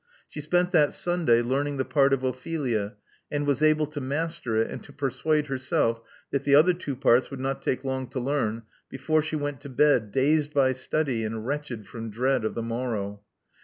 She spent that Sunday learning the part of Ophelia, and was able to master it and to persuade herself that the other two parts would not take long to learn, before she went to bed, dazed by study and wretched from dread of the morrow.